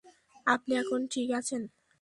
আপনি এখন ঠিক আছেন।